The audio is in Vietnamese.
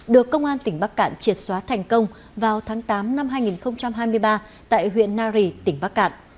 được công an tỉnh bắc cạn triệt xóa thành công vào tháng tám năm hai nghìn hai mươi ba tại huyện nari tỉnh bắc cạn